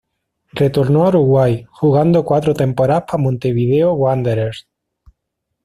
Retornó a Uruguay, jugando cuatro temporadas para Montevideo Wanderers.